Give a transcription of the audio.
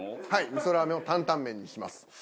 みそラーメンを担々麺にします。